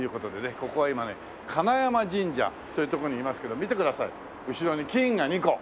ここは今ね金山神社という所にいますけど見てください後ろに金が２個。